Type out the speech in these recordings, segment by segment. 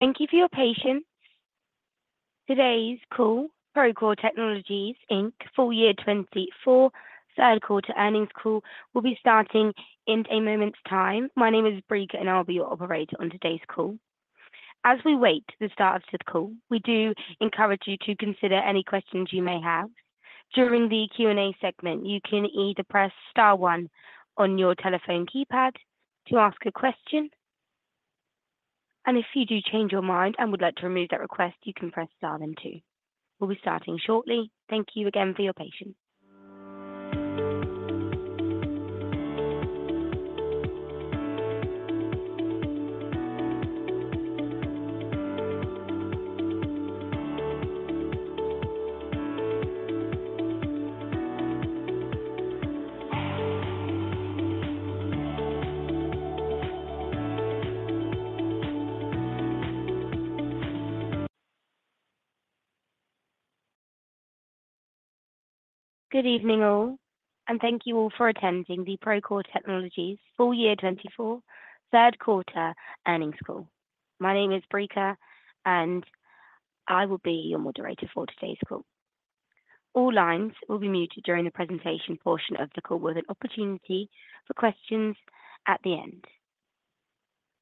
Thank you for your patience. Today's call, Procore Technologies Inc Full Year 2024 Third Quarter Earnings Call, will be starting in a moment's time. My name is Brig, and I'll be your operator on today's call. As we wait for the start of the call, we do encourage you to consider any questions you may have. During the Q&A segment, you can either press star one on your telephone keypad to ask a question, and if you do change your mind and would like to remove that request, you can press star then two. We'll be starting shortly. Thank you again for your patience. Good evening all, and thank you all for attending the Procore Technologies Full Year 2024, Third Quarter Earnings Call. My name is Brig, and I will be your moderator for today's call. All lines will be muted during the presentation portion of the call, with an opportunity for questions at the end.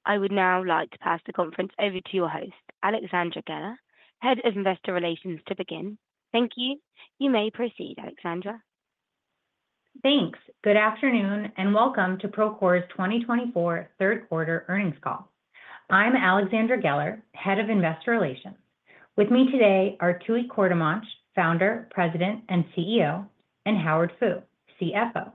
I would now like to pass the conference over to your host, Alexandra Geller, Head of Investor Relations, to begin. Thank you. You may proceed, Alexandra. Thanks. Good afternoon and welcome to Procore's 2024 Third Quarter Earnings Call. I'm Alexandra Geller, Head of Investor Relations. With me today are Tooey Courtemanche, Founder, President, and CEO, and Howard Fu, CFO.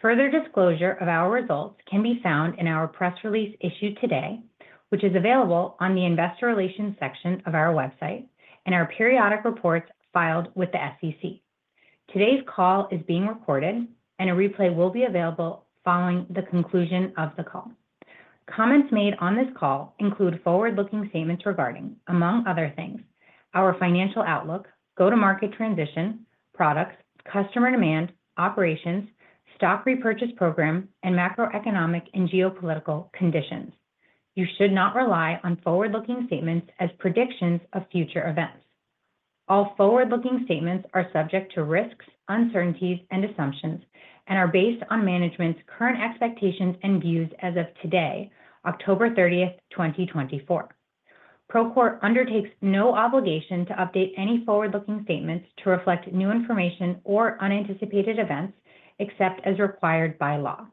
Further disclosure of our results can be found in our press release issued today, which is available on the Investor Relations section of our website and our periodic reports filed with the SEC. Today's call is being recorded, and a replay will be available following the conclusion of the call. Comments made on this call include forward-looking statements regarding, among other things, our financial outlook, go-to-market transition, products, customer demand, operations, stock repurchase program, and macroeconomic and geopolitical conditions. You should not rely on forward-looking statements as predictions of future events. All forward-looking statements are subject to risks, uncertainties, and assumptions, and are based on management's current expectations and views as of today, October 30th, 2024. Procore undertakes no obligation to update any forward-looking statements to reflect new information or unanticipated events, except as required by law.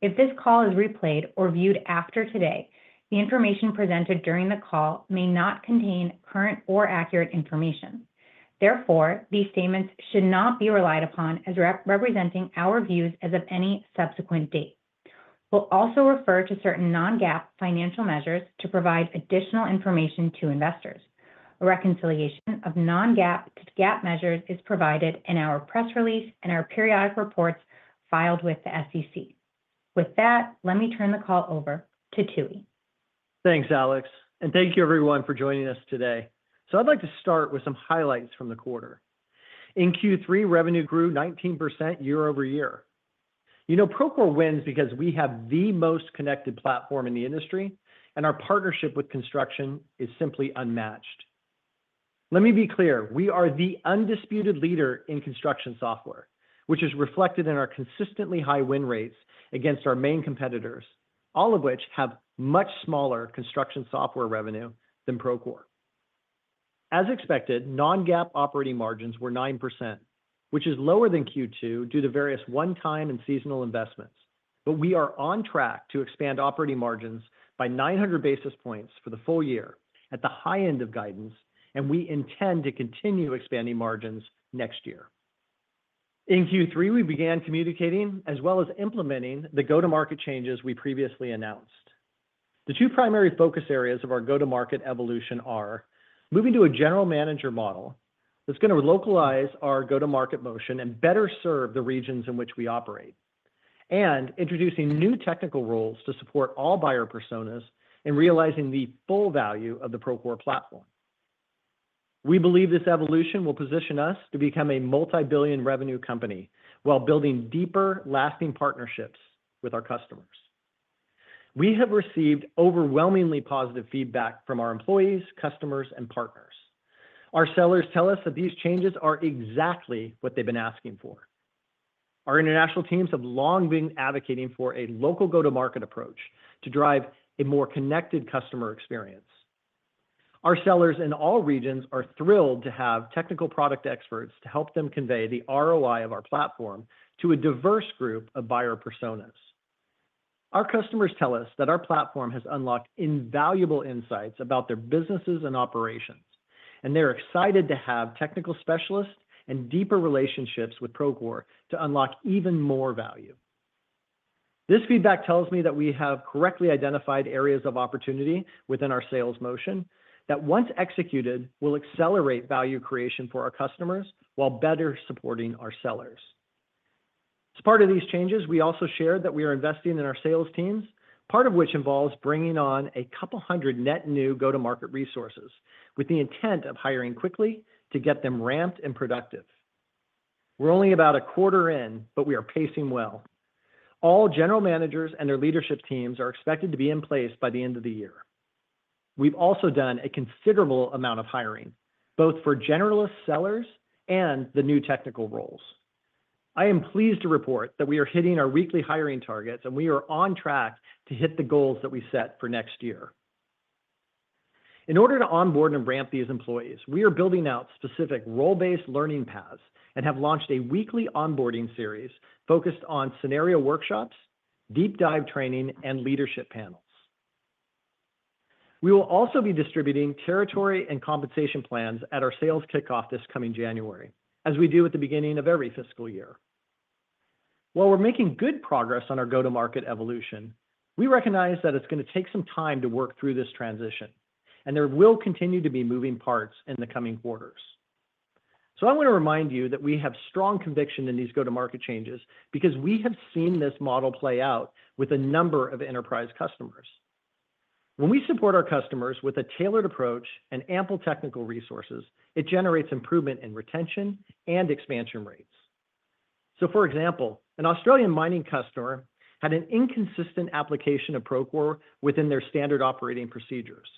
If this call is replayed or viewed after today, the information presented during the call may not contain current or accurate information. Therefore, these statements should not be relied upon as representing our views as of any subsequent date. We'll also refer to certain non-GAAP financial measures to provide additional information to investors. A reconciliation of non-GAAP to GAAP measures is provided in our press release and our periodic reports filed with the SEC. With that, let me turn the call over to Tooey. Thanks, Alex, and thank you, everyone, for joining us today. So I'd like to start with some highlights from the quarter. In Q3, revenue grew 19% year-over-year. You know, Procore wins because we have the most connected platform in the industry, and our partnership with construction is simply unmatched. Let me be clear. We are the undisputed leader in construction software, which is reflected in our consistently high win rates against our main competitors, all of which have much smaller construction software revenue than Procore. As expected, non-GAAP operating margins were 9%, which is lower than Q2 due to various one-time and seasonal investments, but we are on track to expand operating margins by 900 basis points for the full year at the high end of guidance, and we intend to continue expanding margins next year. In Q3, we began communicating as well as implementing the go-to-market changes we previously announced. The two primary focus areas of our go-to-market evolution are moving to a general manager model that's going to localize our go-to-market motion and better serve the regions in which we operate, and introducing new technical roles to support all buyer personas and realizing the full value of the Procore platform. We believe this evolution will position us to become a multi-billion revenue company while building deeper, lasting partnerships with our customers. We have received overwhelmingly positive feedback from our employees, customers, and partners. Our sellers tell us that these changes are exactly what they've been asking for. Our international teams have long been advocating for a local go-to-market approach to drive a more connected customer experience. Our sellers in all regions are thrilled to have technical product experts to help them convey the ROI of our platform to a diverse group of buyer personas. Our customers tell us that our platform has unlocked invaluable insights about their businesses and operations, and they're excited to have technical specialists and deeper relationships with Procore to unlock even more value. This feedback tells me that we have correctly identified areas of opportunity within our sales motion that, once executed, will accelerate value creation for our customers while better supporting our sellers. As part of these changes, we also shared that we are investing in our sales teams, part of which involves bringing on a couple hundred net new go-to-market resources with the intent of hiring quickly to get them ramped and productive. We're only about a quarter in, but we are pacing well. All general managers and their leadership teams are expected to be in place by the end of the year. We've also done a considerable amount of hiring, both for generalist sellers and the new technical roles. I am pleased to report that we are hitting our weekly hiring targets, and we are on track to hit the goals that we set for next year. In order to onboard and ramp these employees, we are building out specific role-based learning paths and have launched a weekly onboarding series focused on scenario workshops, deep dive training, and leadership panels. We will also be distributing territory and compensation plans at our sales kickoff this coming January, as we do at the beginning of every fiscal year. While we're making good progress on our go-to-market evolution, we recognize that it's going to take some time to work through this transition, and there will continue to be moving parts in the coming quarters. So I want to remind you that we have strong conviction in these go-to-market changes because we have seen this model play out with a number of enterprise customers. When we support our customers with a tailored approach and ample technical resources, it generates improvement in retention and expansion rates. So, for example, an Australian mining customer had an inconsistent application of Procore within their standard operating procedures.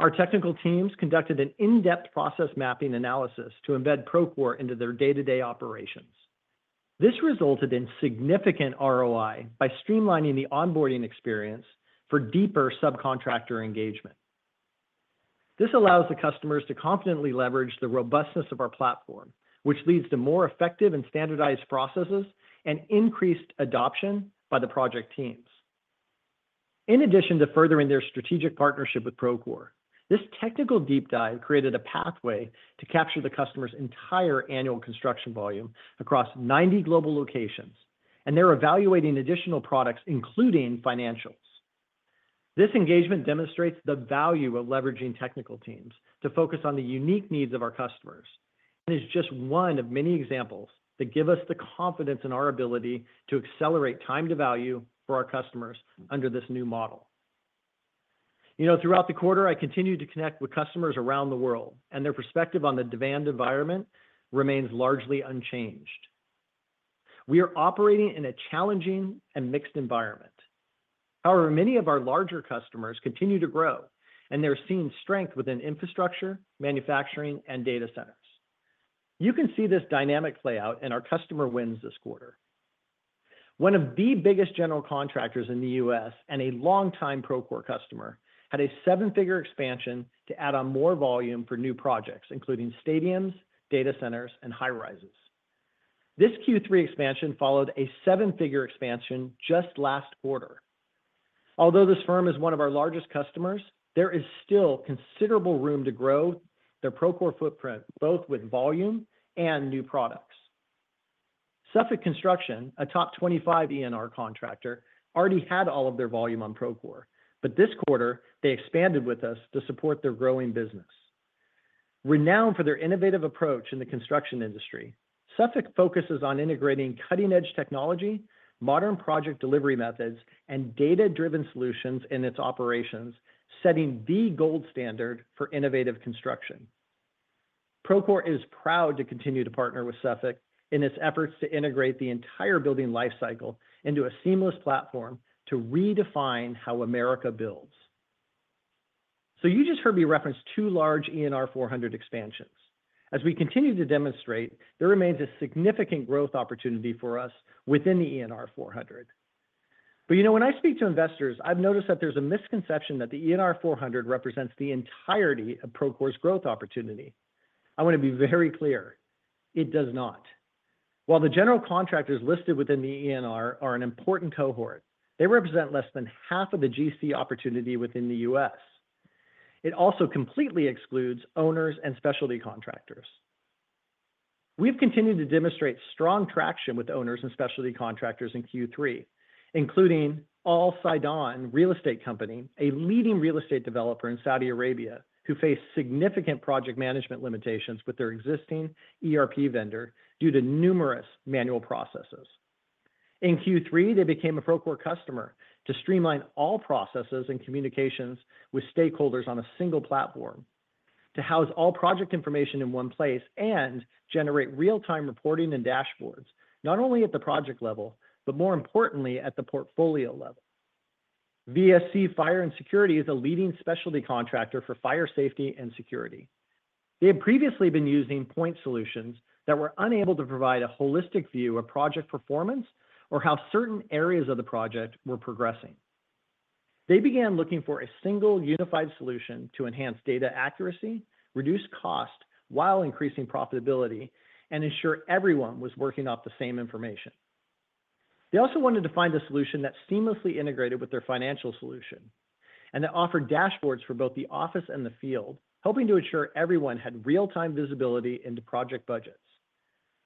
Our technical teams conducted an in-depth process mapping analysis to embed Procore into their day-to-day operations. This resulted in significant ROI by streamlining the onboarding experience for deeper subcontractor engagement. This allows the customers to confidently leverage the robustness of our platform, which leads to more effective and standardized processes and increased adoption by the project teams. In addition to furthering their strategic partnership with Procore, this technical deep dive created a pathway to capture the customer's entire annual construction volume across 90 global locations, and they're evaluating additional products, including financials. This engagement demonstrates the value of leveraging technical teams to focus on the unique needs of our customers and is just one of many examples that give us the confidence in our ability to accelerate time to value for our customers under this new model. Throughout the quarter, I continue to connect with customers around the world, and their perspective on the demand environment remains largely unchanged. We are operating in a challenging and mixed environment. However, many of our larger customers continue to grow, and they're seeing strength within infrastructure, manufacturing, and data centers. You can see this dynamic play out in our customer wins this quarter. One of the biggest general contractors in the U.S. and a longtime Procore customer had a seven-figure expansion to add on more volume for new projects, including stadiums, data centers, and high rises. This Q3 expansion followed a seven-figure expansion just last quarter. Although this firm is one of our largest customers, there is still considerable room to grow their Procore footprint, both with volume and new products. Suffolk Construction, a top 25 ENR contractor, already had all of their volume on Procore, but this quarter, they expanded with us to support their growing business. Renowned for their innovative approach in the construction industry, Suffolk focuses on integrating cutting-edge technology, modern project delivery methods, and data-driven solutions in its operations, setting the gold standard for innovative construction. Procore is proud to continue to partner with Suffolk in its efforts to integrate the entire building lifecycle into a seamless platform to redefine how America builds. So you just heard me reference two large ENR 400 expansions. As we continue to demonstrate, there remains a significant growth opportunity for us within the ENR 400. But when I speak to investors, I've noticed that there's a misconception that the ENR 400 represents the entirety of Procore's growth opportunity. I want to be very clear. It does not. While the general contractors listed within the ENR are an important cohort, they represent less than half of the GC opportunity within the U.S. It also completely excludes owners and specialty contractors. We've continued to demonstrate strong traction with owners and specialty contractors in Q3, including Al Saedan Real Estate company, a leading real estate developer in Saudi Arabia who faced significant project management limitations with their existing ERP vendor due to numerous manual processes. In Q3, they became a Procore customer to streamline all processes and communications with stakeholders on a single platform, to house all project information in one place, and generate real-time reporting and dashboards, not only at the project level, but more importantly, at the portfolio level. VSC Fire & Security is a leading specialty contractor for fire safety and security. They had previously been using point solutions that were unable to provide a holistic view of project performance or how certain areas of the project were progressing. They began looking for a single unified solution to enhance data accuracy, reduce cost while increasing profitability, and ensure everyone was working off the same information. They also wanted to find a solution that seamlessly integrated with their financial solution and that offered dashboards for both the office and the field, helping to ensure everyone had real-time visibility into project budgets.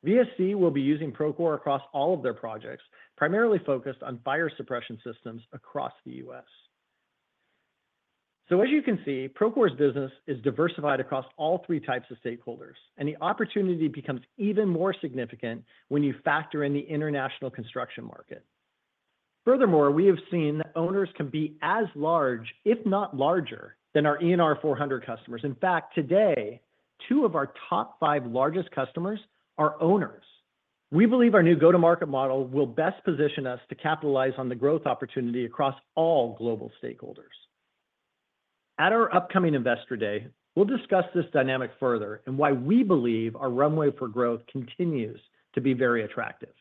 VSC will be using Procore across all of their projects, primarily focused on fire suppression systems across the U.S. So, as you can see, Procore's business is diversified across all three types of stakeholders, and the opportunity becomes even more significant when you factor in the international construction market. Furthermore, we have seen that owners can be as large, if not larger, than our ENR 400 customers. In fact, today, two of our top five largest customers are owners. We believe our new go-to-market model will best position us to capitalize on the growth opportunity across all global stakeholders. At our upcoming Investor Day, we'll discuss this dynamic further and why we believe our runway for growth continues to be very attractive.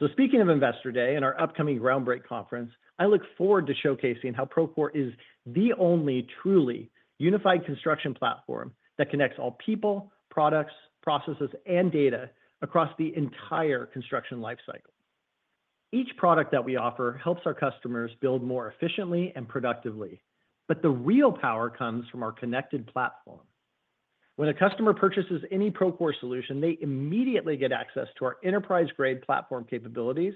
So, speaking of Investor Day and our upcoming Groundbreak Conference, I look forward to showcasing how Procore is the only truly unified construction platform that connects all people, products, processes, and data across the entire construction lifecycle. Each product that we offer helps our customers build more efficiently and productively, but the real power comes from our connected platform. When a customer purchases any Procore solution, they immediately get access to our enterprise-grade platform capabilities,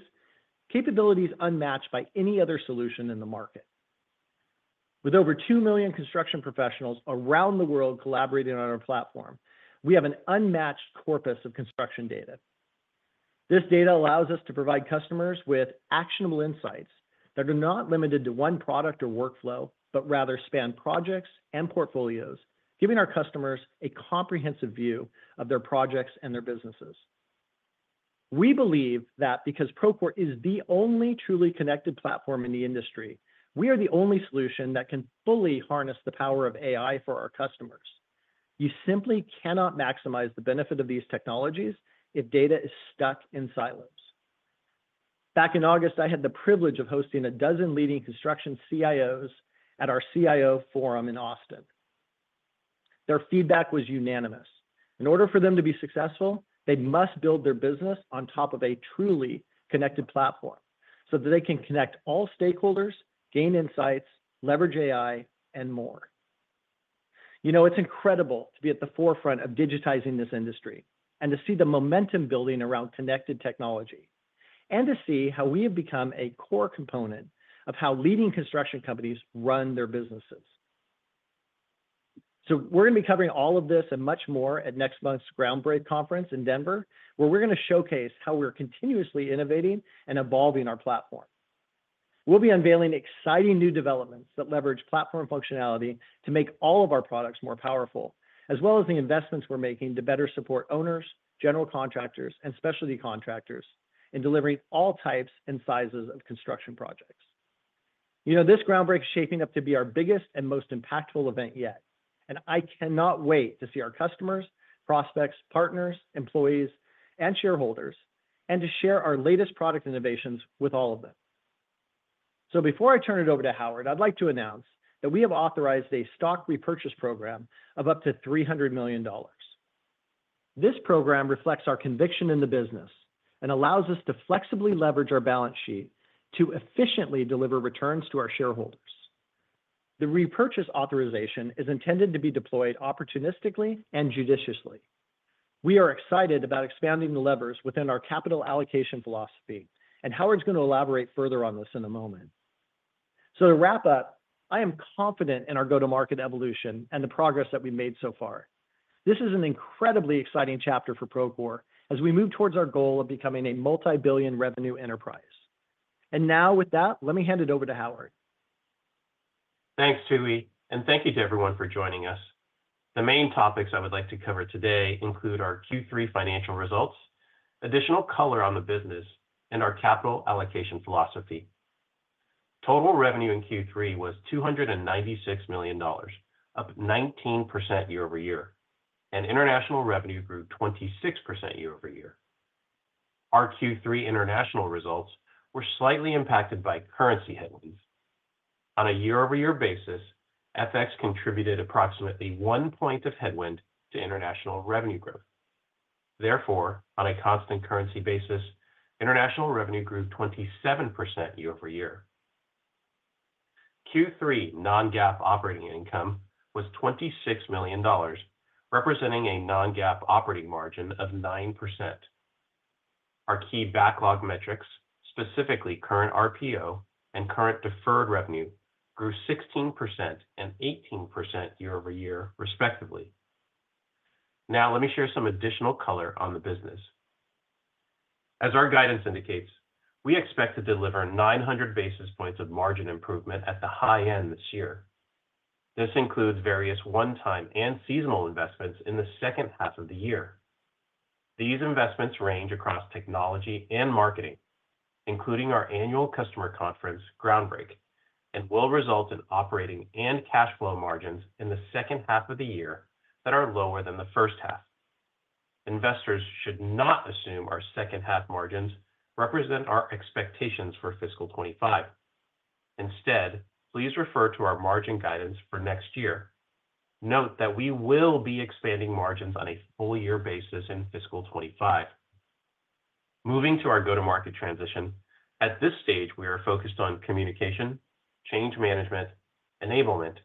capabilities unmatched by any other solution in the market. With over 2 million construction professionals around the world collaborating on our platform, we have an unmatched corpus of construction data. This data allows us to provide customers with actionable insights that are not limited to one product or workflow, but rather span projects and portfolios, giving our customers a comprehensive view of their projects and their businesses. We believe that because Procore is the only truly connected platform in the industry, we are the only solution that can fully harness the power of AI for our customers. You simply cannot maximize the benefit of these technologies if data is stuck in silos. Back in August, I had the privilege of hosting a dozen leading construction CIOs at our CIO Forum in Austin. Their feedback was unanimous. In order for them to be successful, they must build their business on top of a truly connected platform so that they can connect all stakeholders, gain insights, leverage AI, and more. You know, it's incredible to be at the forefront of digitizing this industry and to see the momentum building around connected technology and to see how we have become a core component of how leading construction companies run their businesses. So we're going to be covering all of this and much more at next month's Groundbreak Conference in Denver, where we're going to showcase how we're continuously innovating and evolving our platform. We'll be unveiling exciting new developments that leverage platform functionality to make all of our products more powerful, as well as the investments we're making to better support owners, general contractors, and specialty contractors in delivering all types and sizes of construction projects. You know, this Groundbreak is shaping up to be our biggest and most impactful event yet, and I cannot wait to see our customers, prospects, partners, employees, and shareholders, and to share our latest product innovations with all of them. Before I turn it over to Howard, I'd like to announce that we have authorized a stock repurchase program of up to $300 million. This program reflects our conviction in the business and allows us to flexibly leverage our balance sheet to efficiently deliver returns to our shareholders. The repurchase authorization is intended to be deployed opportunistically and judiciously. We are excited about expanding the levers within our capital allocation philosophy, and Howard's going to elaborate further on this in a moment. To wrap up, I am confident in our go-to-market evolution and the progress that we've made so far. This is an incredibly exciting chapter for Procore as we move towards our goal of becoming a multi-billion revenue enterprise, and now with that, let me hand it over to Howard. Thanks, Tooey, and thank you to everyone for joining us. The main topics I would like to cover today include our Q3 financial results, additional color on the business, and our capital allocation philosophy. Total revenue in Q3 was $296 million, up 19% year-over-year, and international revenue grew 26% year-over-year. Our Q3 international results were slightly impacted by currency headwinds. On a year-over-year basis, FX contributed approximately one point of headwind to international revenue growth. Therefore, on a constant currency basis, international revenue grew 27% year-over-year. Q3 non-GAAP operating income was $26 million, representing a non-GAAP operating margin of 9%. Our key backlog metrics, specifically current RPO and current deferred revenue, grew 16% and 18% year-over-year, respectively. Now, let me share some additional color on the business. As our guidance indicates, we expect to deliver 900 basis points of margin improvement at the high end this year. This includes various one-time and seasonal investments in the second half of the year. These investments range across technology and marketing, including our annual customer conference, Groundbreak, and will result in operating and cash flow margins in the second half of the year that are lower than the first half. Investors should not assume our second half margins represent our expectations for fiscal 2025. Instead, please refer to our margin guidance for next year. Note that we will be expanding margins on a full year basis in fiscal 2025. Moving to our go-to-market transition, at this stage, we are focused on communication, change management, enablement,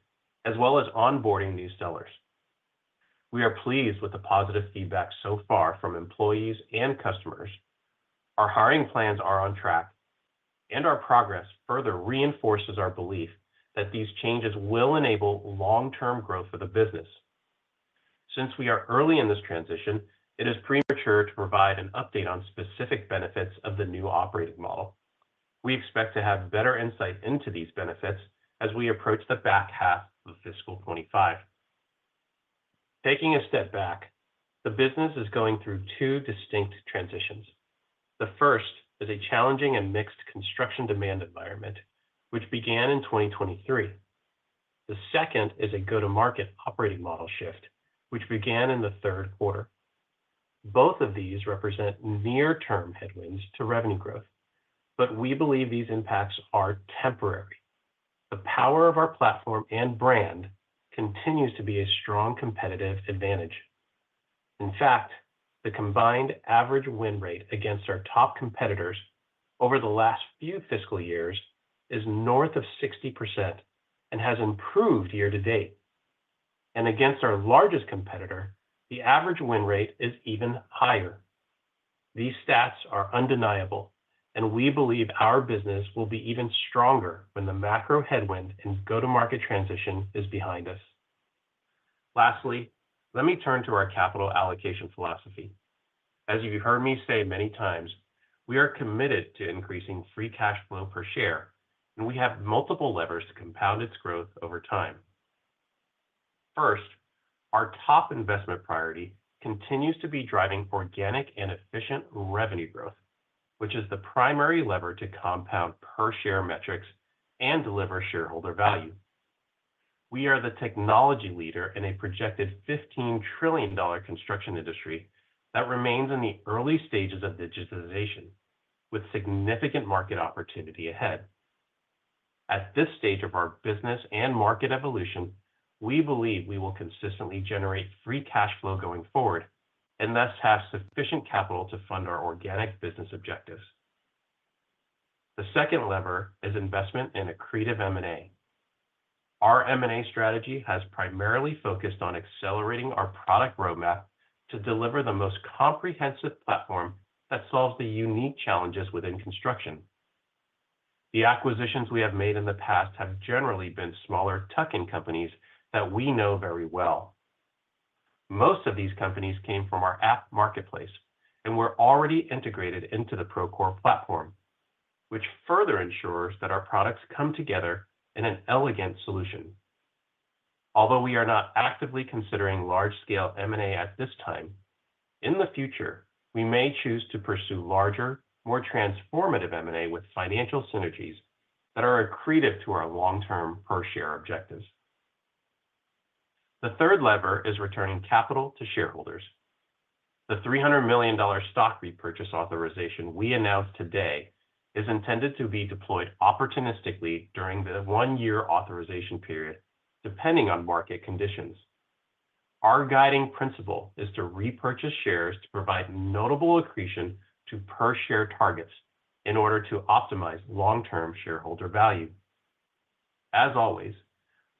as well as onboarding new sellers. We are pleased with the positive feedback so far from employees and customers. Our hiring plans are on track, and our progress further reinforces our belief that these changes will enable long-term growth for the business. Since we are early in this transition, it is premature to provide an update on specific benefits of the new operating model. We expect to have better insight into these benefits as we approach the back half of fiscal 2025. Taking a step back, the business is going through two distinct transitions. The first is a challenging and mixed construction demand environment, which began in 2023. The second is a go-to-market operating model shift, which began in the third quarter. Both of these represent near-term headwinds to revenue growth, but we believe these impacts are temporary. The power of our platform and brand continues to be a strong competitive advantage. In fact, the combined average win rate against our top competitors over the last few fiscal years is north of 60% and has improved year-to-date, and against our largest competitor, the average win rate is even higher. These stats are undeniable, and we believe our business will be even stronger when the macro headwind and go-to-market transition is behind us. Lastly, let me turn to our capital allocation philosophy. As you've heard me say many times, we are committed to increasing free cash flow per share, and we have multiple levers to compound its growth over time. First, our top investment priority continues to be driving organic and efficient revenue growth, which is the primary lever to compound per share metrics and deliver shareholder value. We are the technology leader in a projected $15 trillion construction industry that remains in the early stages of digitization, with significant market opportunity ahead. At this stage of our business and market evolution, we believe we will consistently generate free cash flow going forward and thus have sufficient capital to fund our organic business objectives. The second lever is investment in accretive M&A. Our M&A strategy has primarily focused on accelerating our product roadmap to deliver the most comprehensive platform that solves the unique challenges within construction. The acquisitions we have made in the past have generally been smaller tuck-in companies that we know very well. Most of these companies came from our app marketplace, and we're already integrated into the Procore platform, which further ensures that our products come together in an elegant solution. Although we are not actively considering large-scale M&A at this time, in the future, we may choose to pursue larger, more transformative M&A with financial synergies that are accretive to our long-term per share objectives. The third lever is returning capital to shareholders. The $300 million stock repurchase authorization we announced today is intended to be deployed opportunistically during the one-year authorization period, depending on market conditions. Our guiding principle is to repurchase shares to provide notable accretion to per share targets in order to optimize long-term shareholder value. As always,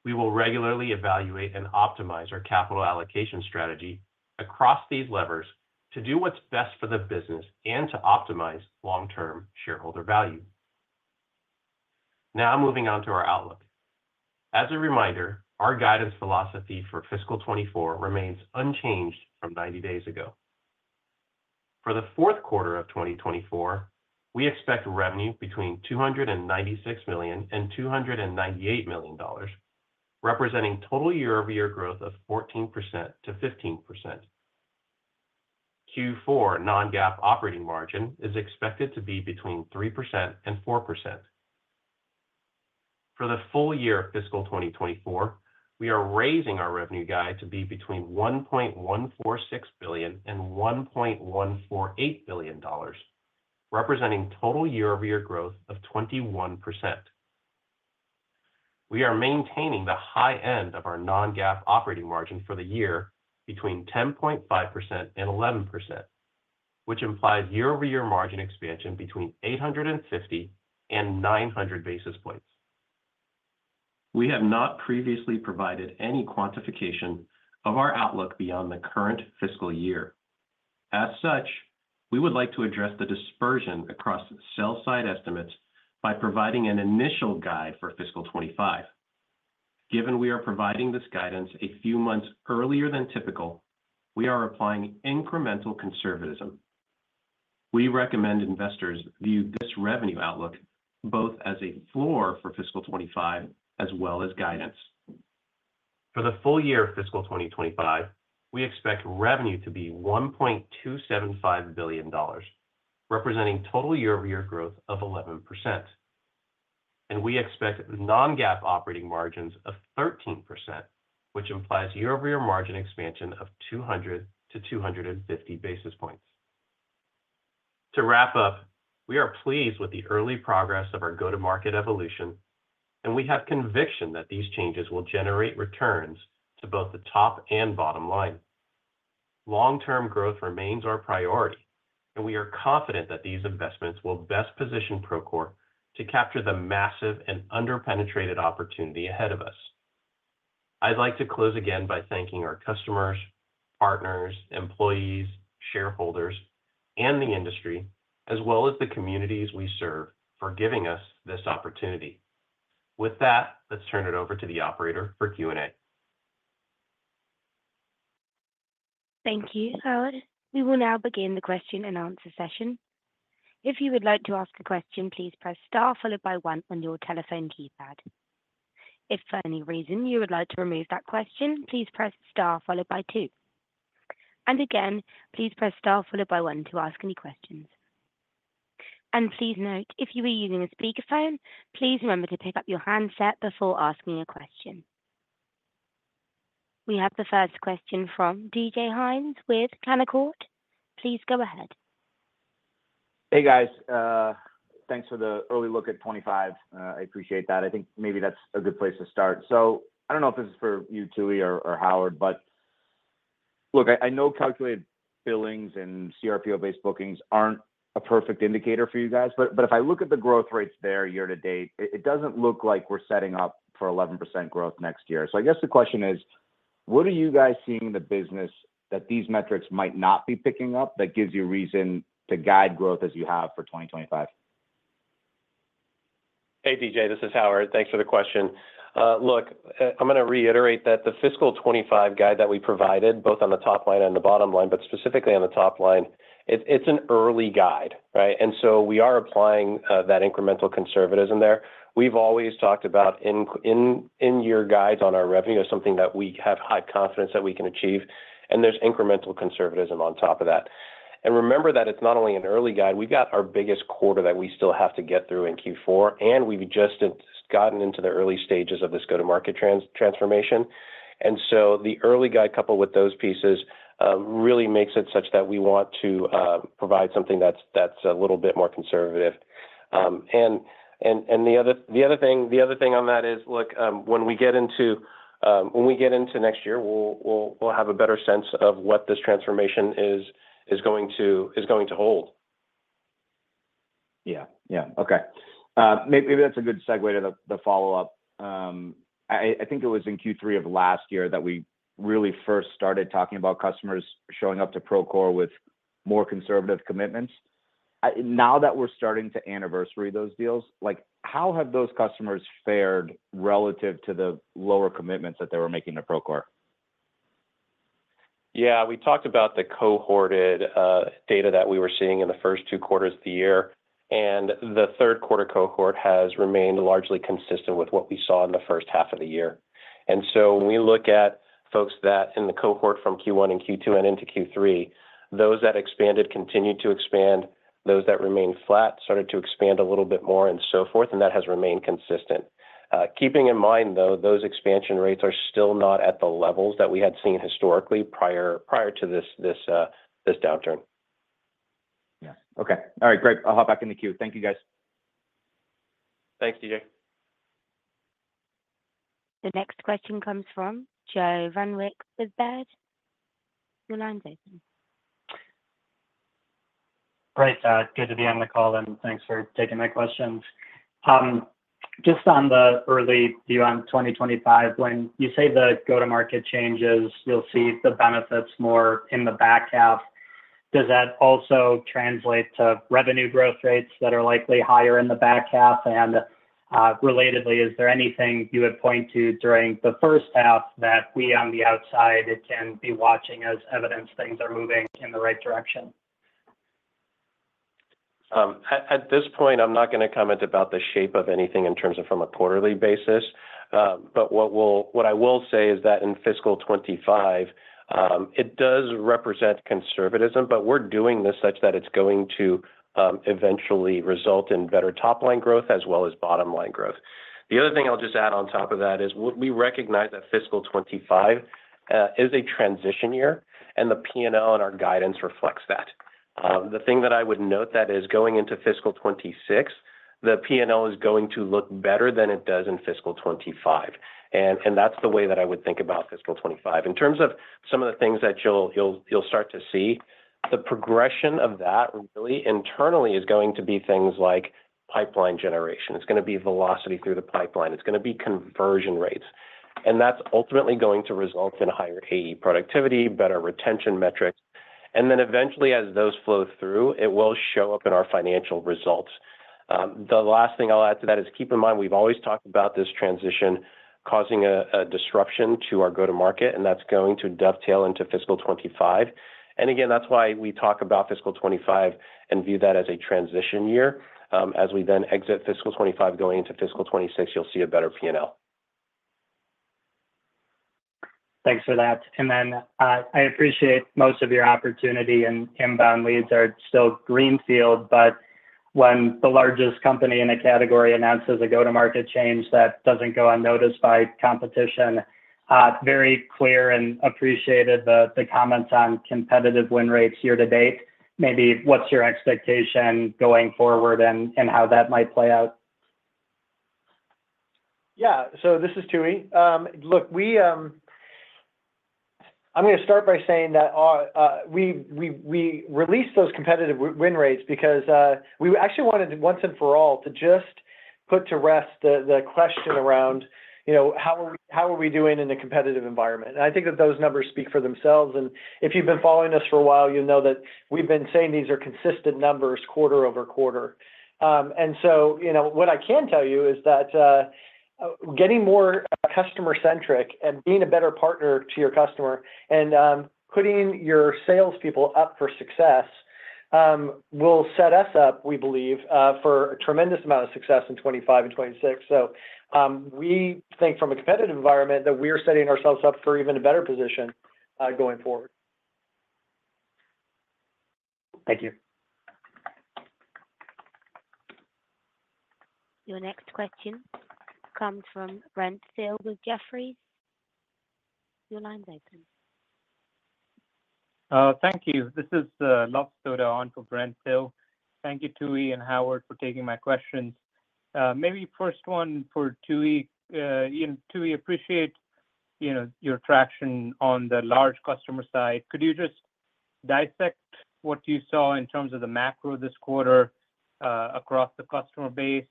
we will regularly evaluate and optimize our capital allocation strategy across these levers to do what's best for the business and to optimize long-term shareholder value. Now, moving on to our outlook. As a reminder, our guidance philosophy for fiscal 2024 remains unchanged from 90 days ago. For the fourth quarter of 2024, we expect revenue between $296 million and $298 million, representing total year-over-year growth of 14% to 15%. Q4 non-GAAP operating margin is expected to be between 3% and 4%. For the full year of fiscal 2024, we are raising our revenue guide to be between $1.146 billion and $1.148 billion, representing total year-over-year growth of 21%. We are maintaining the high end of our non-GAAP operating margin for the year between 10.5% and 11%, which implies year-over-year margin expansion between 850 and 900 basis points. We have not previously provided any quantification of our outlook beyond the current fiscal year. As such, we would like to address the dispersion across sell-side estimates by providing an initial guide for fiscal 2025. Given we are providing this guidance a few months earlier than typical, we are applying incremental conservatism. We recommend investors view this revenue outlook both as a floor for fiscal 2025 as well as guidance. For the full year of fiscal 2025, we expect revenue to be $1.275 billion, representing total year-over-year growth of 11%. And we expect non-GAAP operating margins of 13%, which implies year-over-year margin expansion of 200 to 250 basis points. To wrap up, we are pleased with the early progress of our go-to-market evolution, and we have conviction that these changes will generate returns to both the top and bottom line. Long-term growth remains our priority, and we are confident that these investments will best position Procore to capture the massive and underpenetrated opportunity ahead of us. I'd like to close again by thanking our customers, partners, employees, shareholders, and the industry, as well as the communities we serve for giving us this opportunity. With that, let's turn it over to the operator for Q&A. Thank you, Howard. We will now begin the question-and-answer session. If you would like to ask a question, please press star followed by one on your telephone keypad. If for any reason you would like to remove that question, please press star followed by two. And again, please press star followed by one to ask any questions. And please note, if you are using a speakerphone, please remember to pick up your handset before asking a question. We have the first question from DJ Hynes with Canaccord Genuity. Please go ahead. Hey, guys. Thanks for the early look at 2025. I appreciate that. I think maybe that's a good place to start. So I don't know if this is for you, Tooey, or Howard, but look, I know calculated billings and cRPO-based bookings aren't a perfect indicator for you guys, but if I look at the growth rates there year-to-date, it doesn't look like we're setting up for 11% growth next year. So I guess the question is, what are you guys seeing in the business that these metrics might not be picking up that gives you reason to guide growth as you have for 2025? Hey, DJ, this is Howard. Thanks for the question. Look, I'm going to reiterate that the fiscal 2025 guide that we provided, both on the top line and the bottom line, but specifically on the top line, it's an early guide, right. And so we are applying that incremental conservatism there. We've always talked about in-year guides on our revenue as something that we have high confidence that we can achieve, and there's incremental conservatism on top of that and remember that it's not only an early guide. We've got our biggest quarter that we still have to get through in Q4, and we've just gotten into the early stages of this go-to-market transformation and so the early guide coupled with those pieces really makes it such that we want to provide something that's a little bit more conservative and the other thing on that is, look, when we get into next year, we'll have a better sense of what this transformation is going to hold. Yeah, yeah. Okay. Maybe that's a good segue to the follow-up. I think it was in Q3 of last year that we really first started talking about customers showing up to Procore with more conservative commitments. Now that we're starting to anniversary those deals, how have those customers fared relative to the lower commitments that they were making to Procore? Yeah, we talked about the cohorted data that we were seeing in the first two quarters of the year, and the third quarter cohort has remained largely consistent with what we saw in the first half of the year. And so when we look at folks that in the cohort from Q1 and Q2 and into Q3, those that expanded continued to expand, those that remained flat started to expand a little bit more and so forth, and that has remained consistent. Keeping in mind, though, those expansion rates are still not at the levels that we had seen historically prior to this downturn. Yeah. Okay. All right. Great. I'll hop back in the queue. Thank you, guys. Thanks, DJ. The next question comes from Joe Vruwink with Baird. Great. Good to be on the call, and thanks for taking my questions. Just on the early view on 2025, when you say the go-to-market changes, you'll see the benefits more in the back half. Does that also translate to revenue growth rates that are likely higher in the back half? And relatedly, is there anything you would point to during the first half that we on the outside can be watching as evidence things are moving in the right direction? At this point, I'm not going to comment about the shape of anything in terms of from a quarterly basis. But what I will say is that in fiscal 2025, it does represent conservatism, but we're doing this such that it's going to eventually result in better top-line growth as well as bottom-line growth. The other thing I'll just add on top of that is we recognize that fiscal 2025 is a transition year, and the P&L and our guidance reflects that. The thing that I would note that is going into fiscal 2026, the P&L is going to look better than it does in fiscal 2025. And that's the way that I would think about fiscal 2025. In terms of some of the things that you'll start to see, the progression of that really internally is going to be things like pipeline generation. It's going to be velocity through the pipeline. It's going to be conversion rates. That's ultimately going to result in higher AE productivity, better retention metrics. Then eventually, as those flow through, it will show up in our financial results. The last thing I'll add to that is keep in mind we've always talked about this transition causing a disruption to our go-to-market, and that's going to dovetail into fiscal 2025. Again, that's why we talk about fiscal 2025 and view that as a transition year. As we then exit fiscal 2025 going into fiscal 2026, you'll see a better P&L. Thanks for that. Then I appreciate most of your opportunity and inbound leads are still greenfield, but when the largest company in a category announces a go-to-market change that doesn't go unnoticed by competition. Very clear and appreciated the comments on competitive win rates year to date. Maybe what's your expectation going forward and how that might play out? Yeah. So this is Tooey. Look, I'm going to start by saying that we released those competitive win rates because we actually wanted once and for all to just put to rest the question around how are we doing in a competitive environment. And I think that those numbers speak for themselves. And if you've been following us for a while, you'll know that we've been saying these are consistent numbers quarter-over-quarter. And so what I can tell you is that getting more customer-centric and being a better partner to your customer and putting your salespeople up for success will set us up, we believe, for a tremendous amount of success in 2025 and 2026. So we think from a competitive environment that we are setting ourselves up for even a better position going forward. Thank you. Your next question comes from Brent Thill with Jefferies. Thank you. This is Luv Sodha on for Brent Thill. Thank you, Tooey and Howard, for taking my questions. Maybe first one for Tooey. Tooey, appreciate your traction on the large customer side. Could you just dissect what you saw in terms of the macro this quarter across the customer base?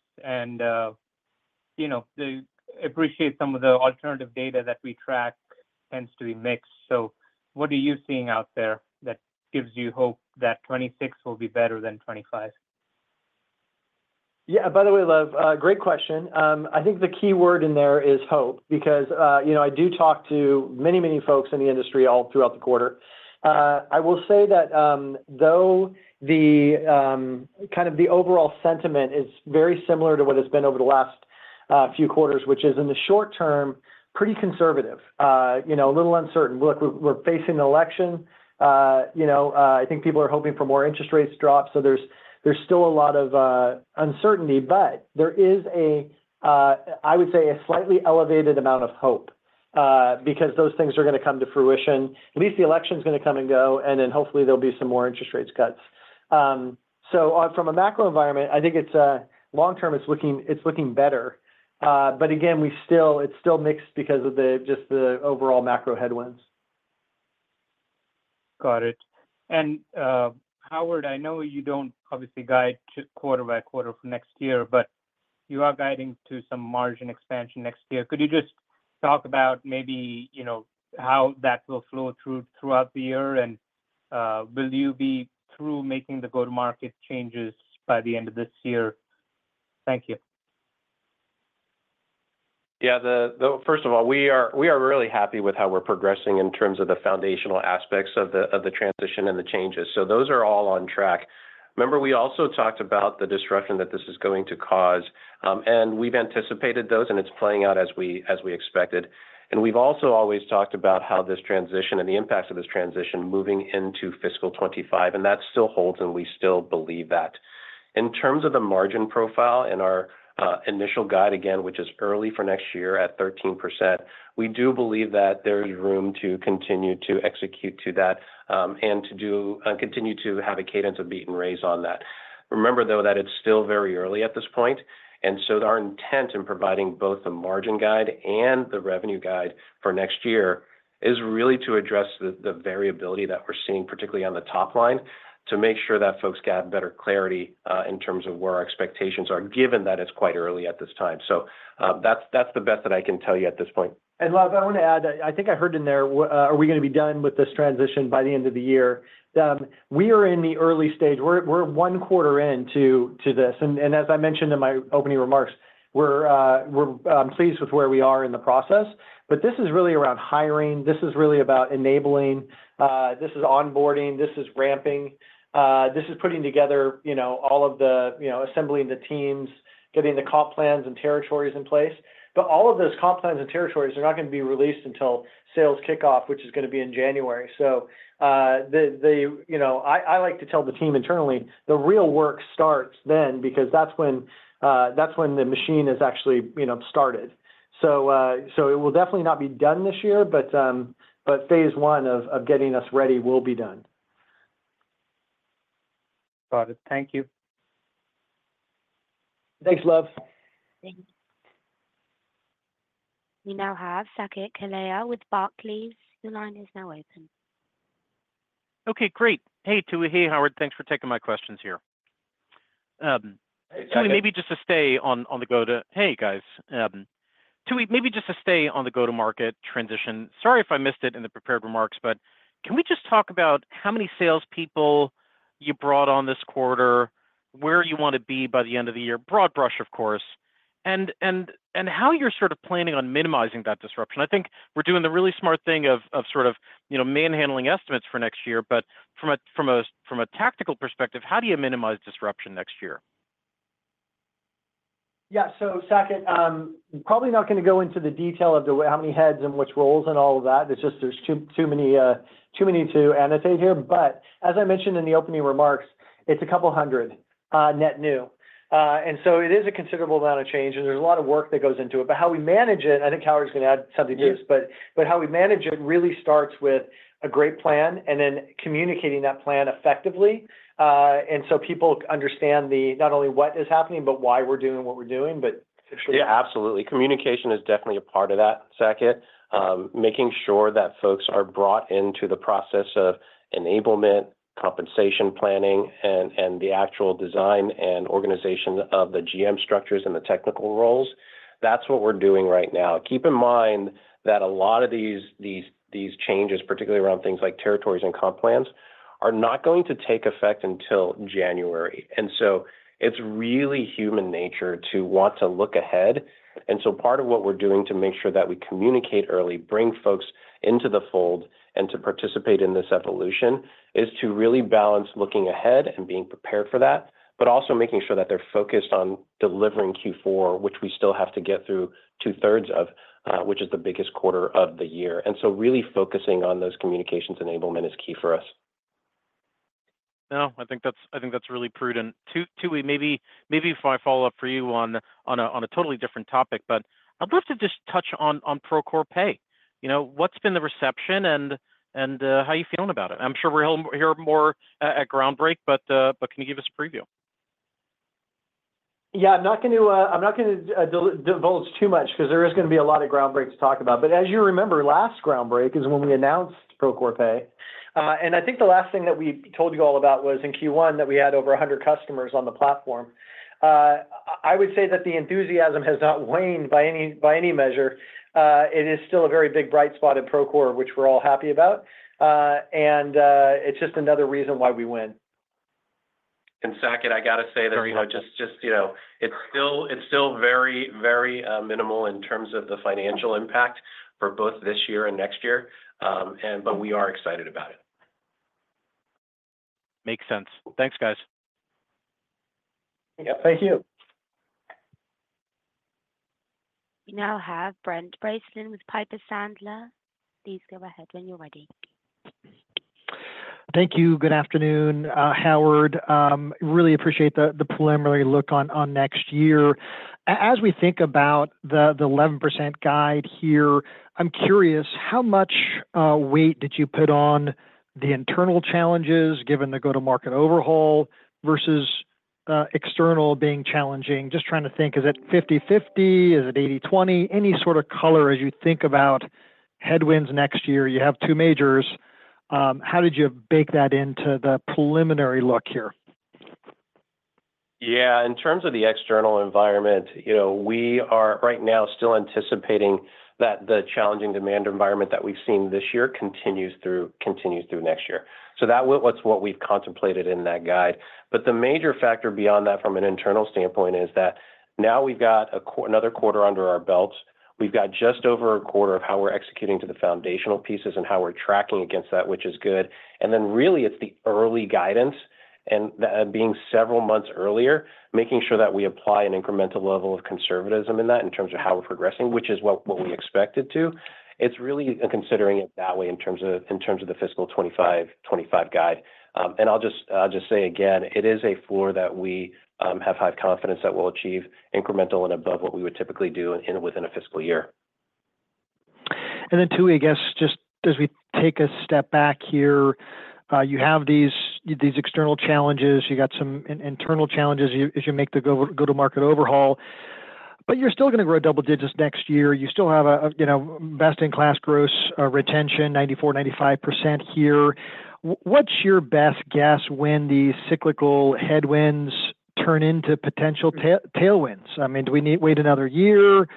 And I appreciate some of the alternative data that we track tends to be mixed. So what are you seeing out there that gives you hope that 2026 will be better than 2025? Yeah. By the way, Luv, great question. I think the key word in there is hope because I do talk to many, many folks in the industry all throughout the quarter. I will say that though the kind of the overall sentiment is very similar to what it's been over the last few quarters, which is in the short term, pretty conservative, a little uncertain. Look, we're facing an election. I think people are hoping for more interest rates drop. So there's still a lot of uncertainty, but there is a, I would say, a slightly elevated amount of hope because those things are going to come to fruition. At least the election is going to come and go, and then hopefully there'll be some more interest rate cuts. So from a macro environment, I think long-term it's looking better. But again, it's still mixed because of just the overall macro headwinds. Got it. And Howard, I know you don't obviously guide quarter by quarter for next year, but you are guiding to some margin expansion next year. Could you just talk about maybe how that will flow throughout the year? And will you be through making the go-to-market changes by the end of this year? Thank you. Yeah. First of all, we are really happy with how we're progressing in terms of the foundational aspects of the transition and the changes. So those are all on track. Remember, we also talked about the disruption that this is going to cause. And we've anticipated those, and it's playing out as we expected. And we've also always talked about how this transition and the impact of this transition moving into fiscal 2025. And that still holds, and we still believe that. In terms of the margin profile in our initial guide, again, which is early for next year at 13%, we do believe that there is room to continue to execute to that and to continue to have a cadence of beat and raise on that. Remember, though, that it's still very early at this point. And so our intent in providing both the margin guide and the revenue guide for next year is really to address the variability that we're seeing, particularly on the top line, to make sure that folks get better clarity in terms of where our expectations are, given that it's quite early at this time. So that's the best that I can tell you at this point. And Luv, I want to add, I think I heard in there, are we going to be done with this transition by the end of the year? We are in the early stage. We're one quarter into this. And as I mentioned in my opening remarks, we're pleased with where we are in the process. But this is really around hiring. This is really about enabling. This is onboarding. This is ramping. This is putting together all of the assembling the teams, getting the comp plans and territories in place. But all of those comp plans and territories are not going to be released until sales kickoff, which is going to be in January. I like to tell the team internally, the real work starts then because that's when the machine has actually started. It will definitely not be done this year, but phase one of getting us ready will be done. Got it. Thank you. Thanks, Luv. Thanks. We now have Saket Kalia with Barclays, please. Your line is now open. Okay. Great. Hey, Tooey. Hey, Howard. Thanks for taking my questions here. Tooey, maybe just to stay on the go-to - hey, guys. Tooey, maybe just to stay on the go-to-market transition. Sorry if I missed it in the prepared remarks, but can we just talk about how many salespeople you brought on this quarter, where you want to be by the end of the year, broad brush, of course, and how you're sort of planning on minimizing that disruption? I think we're doing the really smart thing of sort of manhandling estimates for next year, but from a tactical perspective, how do you minimize disruption next year? Yeah. So Saket, probably not going to go into the detail of how many heads and which roles and all of that. It's just there's too many to annotate here. But as I mentioned in the opening remarks, it's a couple hundred net new. And so it is a considerable amount of change, and there's a lot of work that goes into it. But how we manage it - I think Howard's going to add something to this - but how we manage it really starts with a great plan and then communicating that plan effectively. And so people understand not only what is happening, but why we're doing what we're doing. Yeah, absolutely. Communication is definitely a part of that, Saket, making sure that folks are brought into the process of enablement, compensation planning, and the actual design and organization of the GM structures and the technical roles. That's what we're doing right now. Keep in mind that a lot of these changes, particularly around things like territories and comp plans, are not going to take effect until January. And so it's really human nature to want to look ahead. And so part of what we're doing to make sure that we communicate early, bring folks into the fold, and to participate in this evolution is to really balance looking ahead and being prepared for that, but also making sure that they're focused on delivering Q4, which we still have to get through two-thirds of, which is the biggest quarter of the year. And so really focusing on those communications enablement is key for us. No, I think that's really prudent. Tooey, maybe if I follow up for you on a totally different topic, but I'd love to just touch on Procore Pay. What's been the reception and how are you feeling about it? I'm sure we'll hear more at Groundbreak, but can you give us a preview? Yeah. I'm not going to divulge too much because there is going to be a lot of Groundbreak to talk about. But as you remember, last Groundbreak is when we announced Procore Pay. And I think the last thing that we told you all about was in Q1 that we had over 100 customers on the platform. I would say that the enthusiasm has not waned by any measure. It is still a very big bright spot at Procore, which we're all happy about. And it's just another reason why we win. And Saket, I got to say that just it's still very, very minimal in terms of the financial impact for both this year and next year. But we are excited about it. Makes Sense. Thanks, guys. Yep. Thank you. We now have Brent Bracelin with Piper Sandler. Please go ahead when you're ready. Thank you. Good afternoon, Howard. Really appreciate the preliminary look on next year. As we think about the 11% guide here, I'm curious, how much weight did you put on the internal challenges given the go-to-market overhaul versus external being challenging? Just trying to think, is it 50/50? Is it 80/20? Any sort of color as you think about headwinds next year? You have two majors. How did you bake that into the preliminary look here? Yeah. In terms of the external environment, we are right now still anticipating that the challenging demand environment that we've seen this year continues through next year. So that's what we've contemplated in that guide. But the major factor beyond that from an internal standpoint is that now we've got another quarter under our belts. We've got just over a quarter of how we're executing to the foundational pieces and how we're tracking against that, which is good. And then really, it's the early guidance and being several months earlier, making sure that we apply an incremental level of conservatism in that in terms of how we're progressing, which is what we expected to. It's really considering it that way in terms of the fiscal 2025 guide. And I'll just say again, it is a floor that we have high confidence that we'll achieve incremental and above what we would typically do within a fiscal year. And then, Tooey, I guess, just as we take a step back here, you have these external challenges. You got some internal challenges as you make the go-to-market overhaul. But you're still going to grow double digits next year. You still have a best-in-class gross retention, 94%-95% here. What's your best guess when these cyclical headwinds turn into potential tailwinds? I mean, do we need to wait another year? Is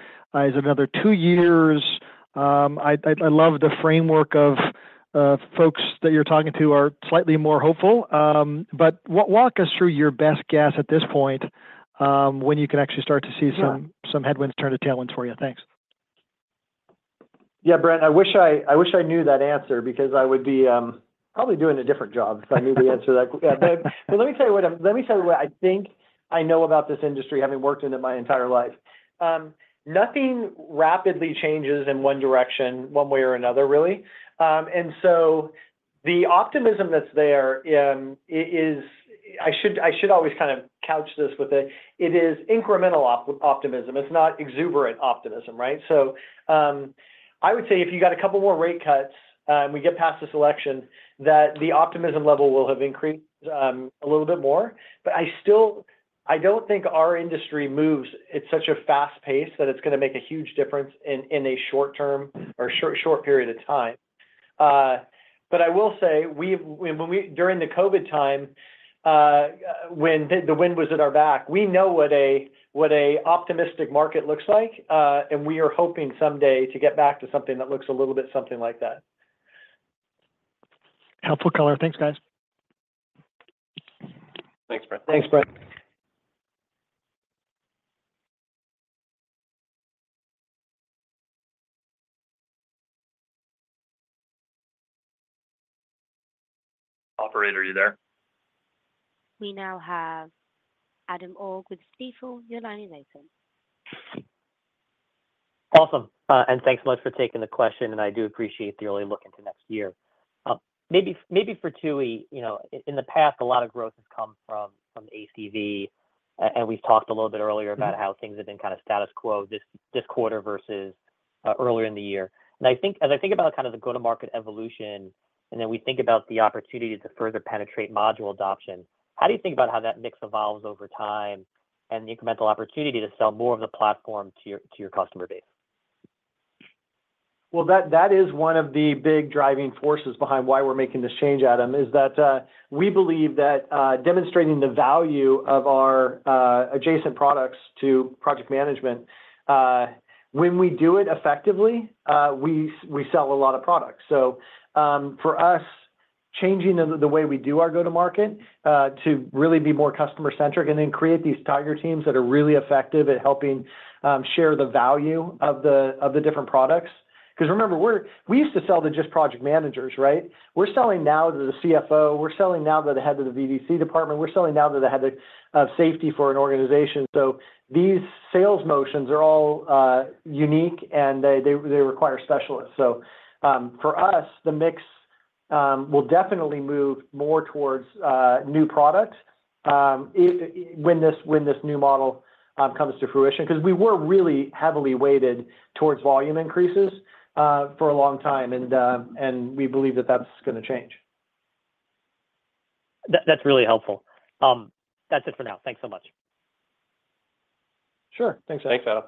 it another two years? I love the framework of folks that you're talking to are slightly more hopeful. But walk us through your best guess at this point when you can actually start to see some headwinds turn to tailwinds for you. Thanks. Yeah, Brent, I wish I knew that answer because I would be probably doing a different job if I knew the answer to that. But let me tell you what I think I know about this industry, having worked in it my entire life. Nothing rapidly changes in one direction, one way or another, really. And so the optimism that's there is, I should always kind of couch this with it, it is incremental optimism. It's not exuberant optimism, right? So I would say if you got a couple more rate cuts and we get past this election, that the optimism level will have increased a little bit more. But I don't think our industry moves at such a fast pace that it's going to make a huge difference in a short term or short period of time. But I will say, during the COVID time, when the wind was at our back, we know what an optimistic market looks like, and we are hoping someday to get back to something that looks a little bit something like that. Helpful color. Thanks, guys. Thanks, Brent. Thanks, Brent. Operator, are you there? We now have Adam Borg with Stifel. Your line is open. Awesome. And thanks so much for taking the question, and I do appreciate the early look into next year. Maybe for Tooey, in the past, a lot of growth has come from ACV, and we've talked a little bit earlier about how things have been kind of status quo this quarter versus earlier in the year. And as I think about kind of the go-to-market evolution, and then we think about the opportunity to further penetrate module adoption, how do you think about how that mix evolves over time and the incremental opportunity to sell more of the platform to your customer base? Well, that is one of the big driving forces behind why we're making this change, Adam, is that we believe that demonstrating the value of our adjacent products to project management, when we do it effectively, we sell a lot of products. So for us, changing the way we do our go-to-market to really be more customer-centric and then create these tiger teams that are really effective at helping share the value of the different products. Because remember, we used to sell to just project managers, right? We're selling now to the CFO. We're selling now to the head of the VDC department. We're selling now to the head of safety for an organization. So these sales motions are all unique, and they require specialists. So for us, the mix will definitely move more towards new products when this new model comes to fruition because we were really heavily weighted towards volume increases for a long time, and we believe that that's going to change. That's really helpful. That's it for now. Thanks so much. Sure. Thanks, Adam. Thanks, Adam.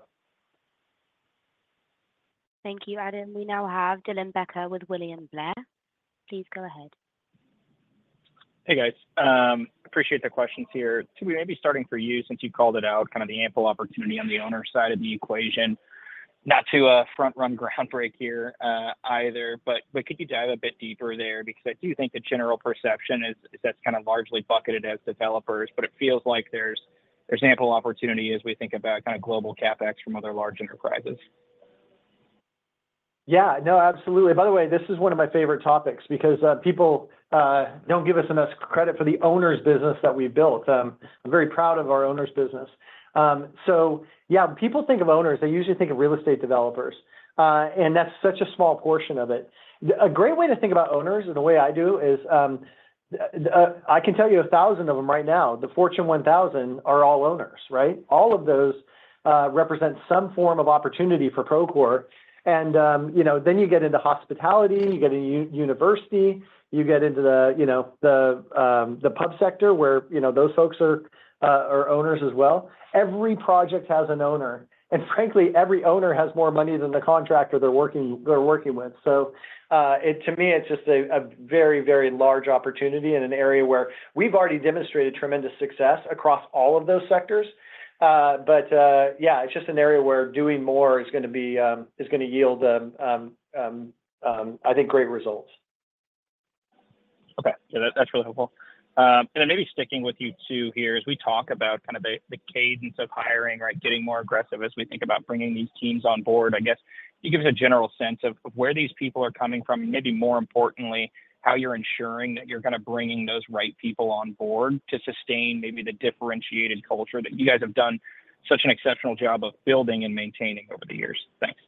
Thank you, Adam. We now have Dylan Becker with William Blair. Please go ahead. Hey, guys. Appreciate the questions here. Tooey, maybe starting for you, since you called it out, kind of the ample opportunity on the owner side of the equation. Not to front-run Groundbreak here either, but could you dive a bit deeper there? Because I do think the general perception is that's kind of largely bucketed as developers, but it feels like there's ample opportunity as we think about kind of global CapEx from other large enterprises. Yeah. No, absolutely. By the way, this is one of my favorite topics because people don't give us enough credit for the owners' business that we've built. I'm very proud of our owners' business. So yeah, when people think of owners, they usually think of real estate developers, and that's such a small portion of it. A great way to think about owners, and the way I do, is I can tell you a thousand of them right now. The Fortune 1000 are all owners, right? All of those represent some form of opportunity for Procore. And then you get into hospitality, you get into university, you get into the public sector where those folks are owners as well. Every project has an owner. And frankly, every owner has more money than the contractor they're working with. So to me, it's just a very, very large opportunity in an area where we've already demonstrated tremendous success across all of those sectors. But yeah, it's just an area where doing more is going to yield, I think, great results. Okay. Yeah, that's really helpful. Then maybe sticking with you two here as we talk about kind of the cadence of hiring, right, getting more aggressive as we think about bringing these teams on board, I guess, you give us a general sense of where these people are coming from and maybe more importantly, how you're ensuring that you're kind of bringing those right people on board to sustain maybe the differentiated culture that you guys have done such an exceptional job of building and maintaining over the years. Thanks.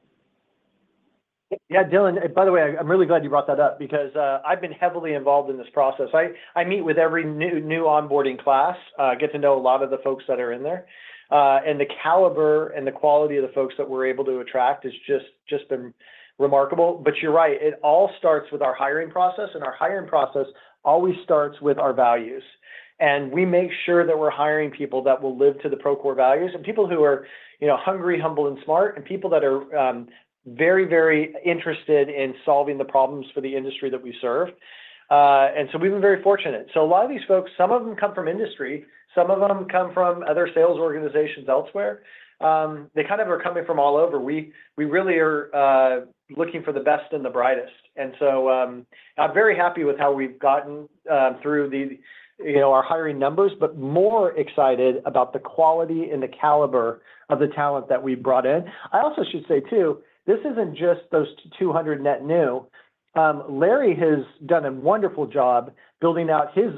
Yeah, Dylan, by the way, I'm really glad you brought that up because I've been heavily involved in this process. I meet with every new onboarding class, get to know a lot of the folks that are in there. The caliber and the quality of the folks that we're able to attract has just been remarkable. But you're right, it all starts with our hiring process. Our hiring process always starts with our values. We make sure that we're hiring people that will live to the Procore values and people who are hungry, humble, and smart, and people that are very, very interested in solving the problems for the industry that we serve. We've been very fortunate. A lot of these folks, some of them come from industry, some of them come from other sales organizations elsewhere. They kind of are coming from all over. We really are looking for the best and the brightest. I'm very happy with how we've gotten through our hiring numbers, but more excited about the quality and the caliber of the talent that we've brought in. I also should say too, this isn't just those 200 net new. Larry has done a wonderful job building out his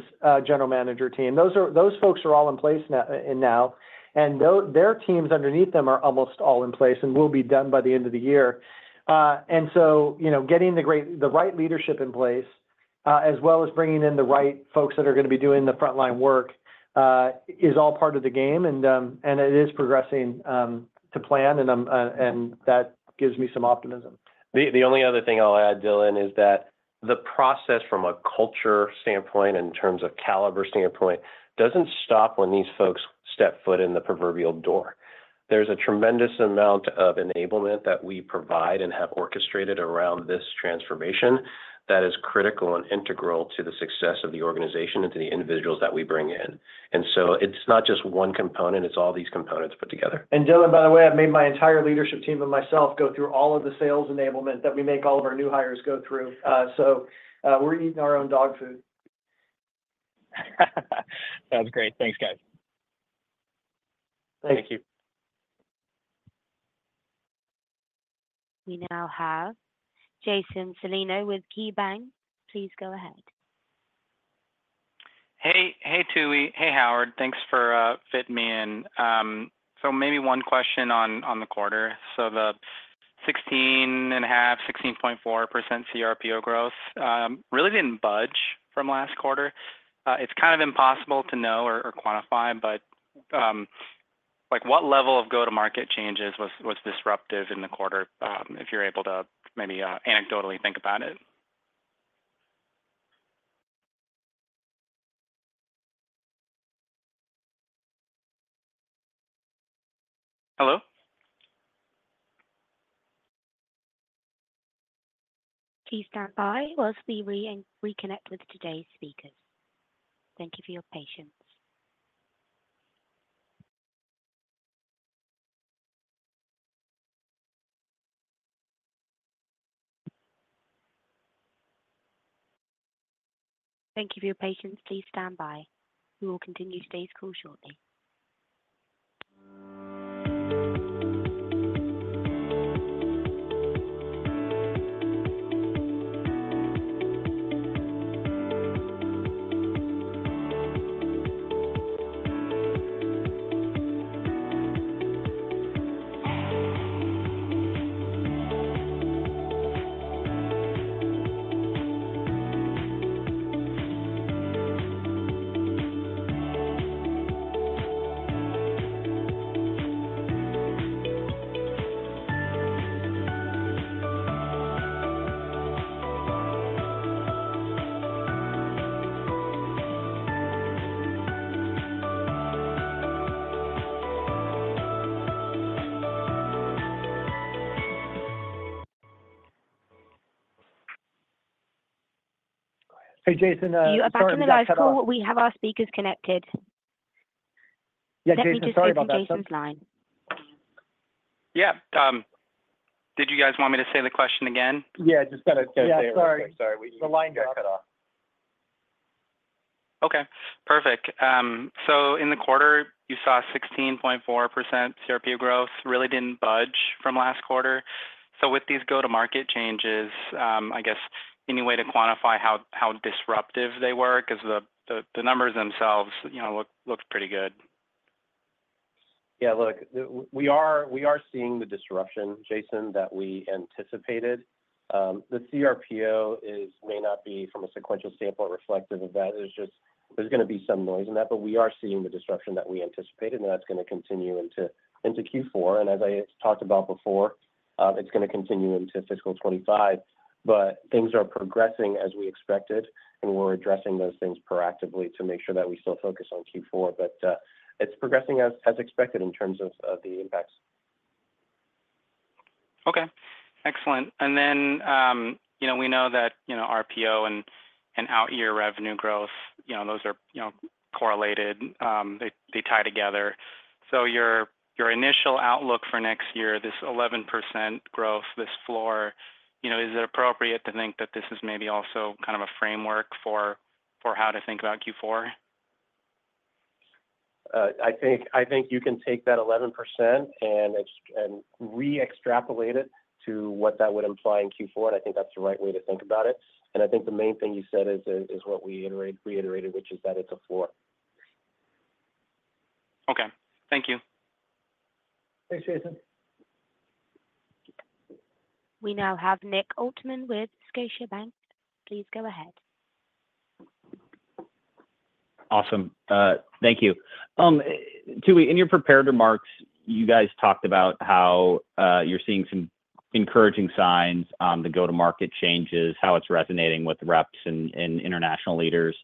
general manager team. Those folks are all in place now, and their teams underneath them are almost all in place and will be done by the end of the year. And so getting the right leadership in place as well as bringing in the right folks that are going to be doing the frontline work is all part of the game, and it is progressing to plan, and that gives me some optimism. The only other thing I'll add, Dylan, is that the process from a culture standpoint and in terms of caliber standpoint doesn't stop when these folks step foot in the proverbial door. There's a tremendous amount of enablement that we provide and have orchestrated around this transformation that is critical and integral to the success of the organization and to the individuals that we bring in. And so it's not just one component. It's all these components put together. And Dylan, by the way, I've made my entire leadership team and myself go through all of the sales enablement that we make all of our new hires go through. So we're eating our own dog food. That was great. Thanks, guys. Thank you. We now have Jason Celino with KeyBanc. Please go ahead. Hey, Tooey. Hey, Howard. Thanks for fitting me in. So maybe one question on the quarter. So the 16.5%, 16.4% cRPO growth really didn't budge from last quarter. It's kind of impossible to know or quantify, but what level of go-to-market changes was disruptive in the quarter if you're able to maybe anecdotally think about it? Hello? Please stand by while we reconnect with today's speakers. Thank you for your patience. Please stand by. We will continue today's call shortly. Hey, Jason. Are you back in the live call? We have our speakers connected. Yeah, Jason, sorry about that. Yeah. Did you guys want me to say the question again? Yeah, just got to say it. Yeah, sorry. The line got cut off. Okay. Perfect. So in the quarter, you saw 16.4% cRPO growth. Really didn't budge from last quarter. So with these go-to-market changes, I guess any way to quantify how disruptive they were because the numbers themselves looked pretty good. Yeah, look, we are seeing the disruption, Jason, that we anticipated. The cRPO may not be from a sequential sample reflective of that. There's going to be some noise in that, but we are seeing the disruption that we anticipated, and that's going to continue into Q4. And as I talked about before, it's going to continue into fiscal 2025. But things are progressing as we expected, and we're addressing those things proactively to make sure that we still focus on Q4. But it's progressing as expected in terms of the impacts. Okay. Excellent. And then we know that RPO and out-year revenue growth, those are correlated. They tie together. So your initial outlook for next year, this 11% growth, this floor, is it appropriate to think that this is maybe also kind of a framework for how to think about Q4? I think you can take that 11% and re-extrapolate it to what that would imply in Q4. And I think that's the right way to think about it. And I think the main thing you said is what we reiterated, which is that it's a floor. Okay. Thank you. Thanks, Jason. We now have Nick Altman with Scotiabank. Please go ahead. Awesome. Thank you. Tooey, in your prepared remarks, you guys talked about how you're seeing some encouraging signs on the go-to-market changes, how it's resonating with reps and international leaders.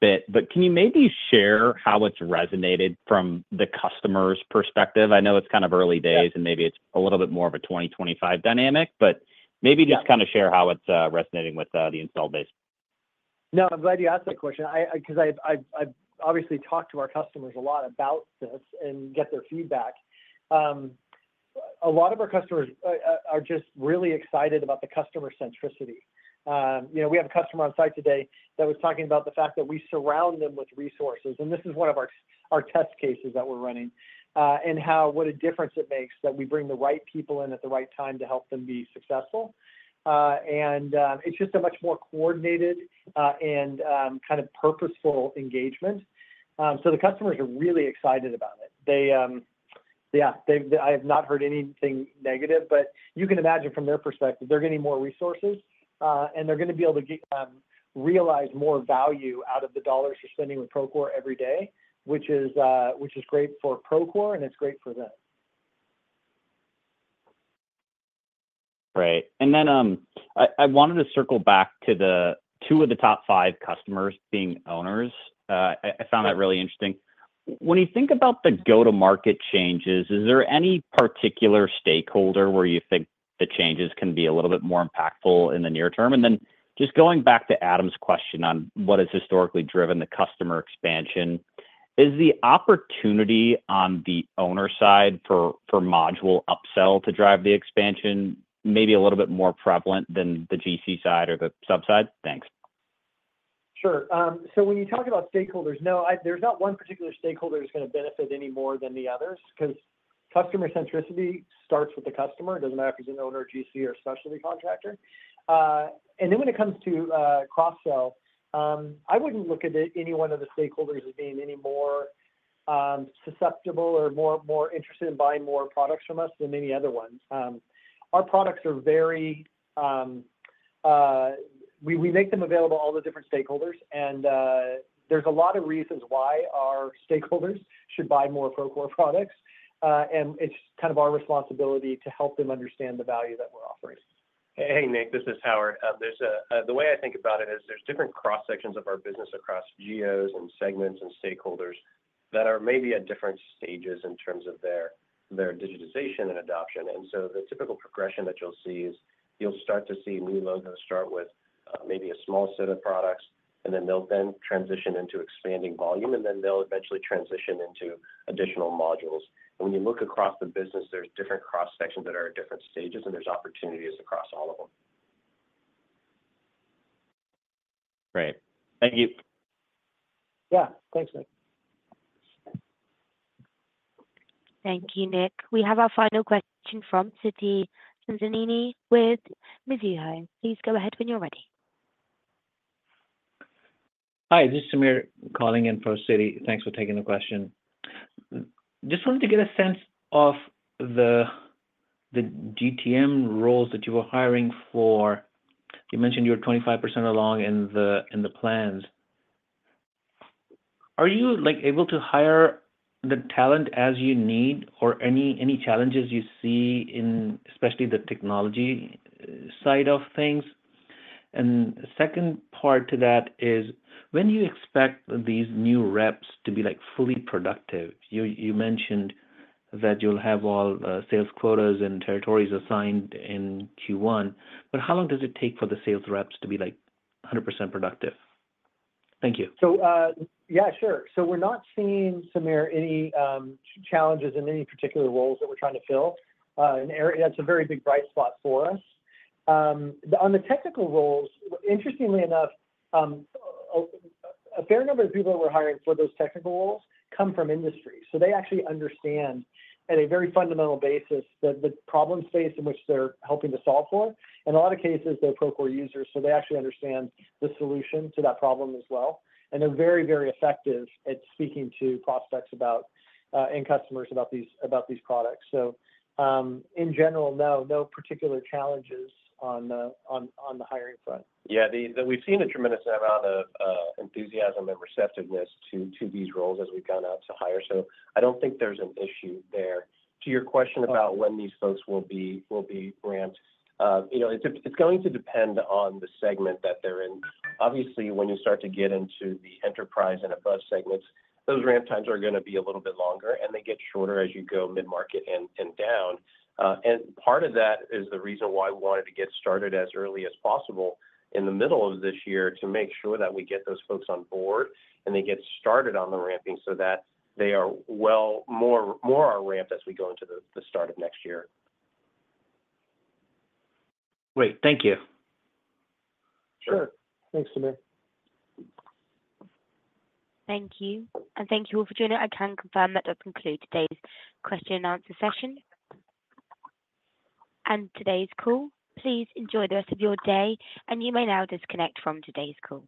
But can you maybe share how it's resonated from the customer's perspective? I know it's kind of early days, and maybe it's a little bit more of a 2025 dynamic, but maybe just kind of share how it's resonating with the install base. No, I'm glad you asked that question because I've obviously talked to our customers a lot about this and get their feedback. A lot of our customers are just really excited about the customer centricity. We have a customer on site today that was talking about the fact that we surround them with resources. This is one of our test cases that we're running and what a difference it makes that we bring the right people in at the right time to help them be successful. It's just a much more coordinated and kind of purposeful engagement. So the customers are really excited about it. Yeah, I have not heard anything negative, but you can imagine from their perspective, they're getting more resources, and they're going to be able to realize more value out of the dollars they're spending with Procore Pay every day, which is great for Procore Pay, and it's great for them. Right. Then I wanted to circle back to two of the top five customers being owners. I found that really interesting. When you think about the go-to-market changes, is there any particular stakeholder where you think the changes can be a little bit more impactful in the near term? And then just going back to Adam's question on what has historically driven the customer expansion, is the opportunity on the owner side for module upsell to drive the expansion maybe a little bit more prevalent than the GC side or the sub side? Thanks. Sure. So when you talk about stakeholders, no, there's not one particular stakeholder that's going to benefit any more than the others because customer centricity starts with the customer. It doesn't matter if he's an owner, GC, or specialty contractor. And then when it comes to cross-sell, I wouldn't look at any one of the stakeholders as being any more susceptible or more interested in buying more products from us than any other ones. Our products are very—we make them available to all the different stakeholders. And there's a lot of reasons why our stakeholders should buy more Procore Pay products. And it's kind of our responsibility to help them understand the value that we're offering. Hey, Nick, this is Howard. The way I think about it is there's different cross-sections of our business across GCs and segments and stakeholders that are maybe at different stages in terms of their digitization and adoption. And so the typical progression that you'll see is you'll start to see new logos start with maybe a small set of products, and then they'll transition into expanding volume, and then they'll eventually transition into additional modules. And when you look across the business, there's different cross-sections that are at different stages, and there's opportunities across all of them. Right. Thank you. Yeah. Thanks, Nick. Thank you, Nick. We have our final question from Siti Panigrahi with Mizuho. Please go ahead when you're ready. Hi, this is Samir calling in for Siti. Thanks for taking the question. Just wanted to get a sense of the GTM roles that you were hiring for. You mentioned you're 25% along in the plans. Are you able to hire the talent as you need or any challenges you see, especially the technology side of things? And the second part to that is when you expect these new reps to be fully productive, you mentioned that you'll have all sales quotas and territories assigned in Q1. But how long does it take for the sales reps to be 100% productive? Thank you. So yeah, sure. So we're not seeing, Samir, any challenges in any particular roles that we're trying to fill. That's a very big bright spot for us. On the technical roles, interestingly enough, a fair number of people that we're hiring for those technical roles come from industry, so they actually understand, at a very fundamental basis, the problem space in which they're helping to solve for. And in a lot of cases, they're Procore users, so they actually understand the solution to that problem as well. And they're very, very effective at speaking to prospects and customers about these products. So in general, no particular challenges on the hiring front. Yeah. We've seen a tremendous amount of enthusiasm and receptiveness to these roles as we've gone out to hire, so I don't think there's an issue there. To your question about when these folks will be ramped, it's going to depend on the segment that they're in. Obviously, when you start to get into the enterprise and above segments, those ramp times are going to be a little bit longer, and they get shorter as you go mid-market and down. And part of that is the reason why we wanted to get started as early as possible in the middle of this year to make sure that we get those folks on board and they get started on the ramping so that they are more on ramp as we go into the start of next year. Great. Thank you. Sure. Thanks, Samir. Thank you. And thank you all for joining. I can confirm that that concludes today's question-and-answer session and today's call. Please enjoy the rest of your day, and you may now disconnect from today's call.